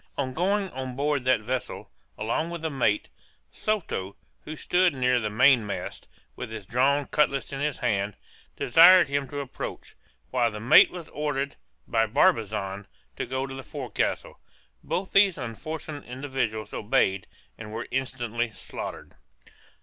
On going on board that vessel, along with the mate, Soto, who stood near the mainmast, with his drawn cutlass in his hand, desired him to approach, while the mate was ordered, by Barbazan, to go to the forecastle. Both these unfortunate individuals obeyed, and were instantly slaughtered.